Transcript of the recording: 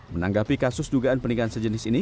menanggapi kasus dugaan peninggalan sejenis ini